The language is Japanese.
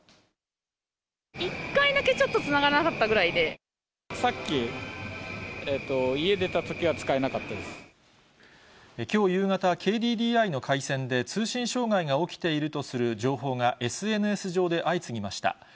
１回だけちょっとつながらなさっき、家出たときは使えなきょう夕方、ＫＤＤＩの回線で通信障害が起きているとする情報がＳＮＳ上で相次ぎました。